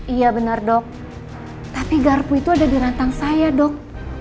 iya benar dok tapi garpu itu ada di rantang saya dok